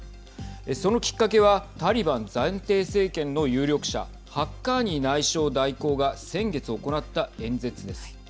そのきっかけはタリバン暫定政権の有力者ハッカーニ内相代行が先月行った演説です。